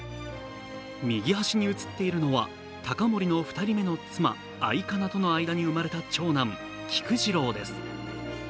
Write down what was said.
右端に写っているのは隆盛の２人目の妻・愛加那との間に生まれた長男、菊次郎です。